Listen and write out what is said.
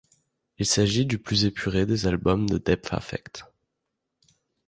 Il s’agit du plus épuré des albums de Depth Affect.